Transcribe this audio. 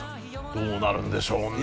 どうなるんでしょうね。